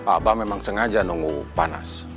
abah memang sengaja nunggu panas